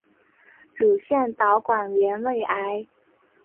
乳腺导管原位癌。